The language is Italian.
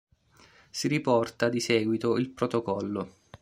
Si riporta di seguito il protocollo.